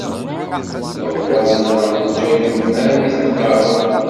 D leɣlaḍ-nneɣ neǧǧa-kem armi i tenṭerreḍ.